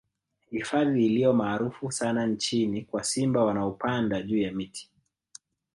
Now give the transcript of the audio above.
Hifadhi iliyo maarufu sana nchini kwa simba wanaopanda juu ya miti